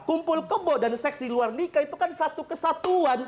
kumpul kebo dan seksi luar nikah itu kan satu kesatuan